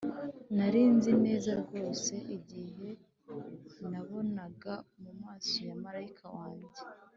nari nzi neza rwose igihe nabonaga mumaso ya marayika wanjye.